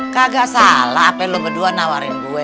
kagak salah apa lu berdua nawarin gue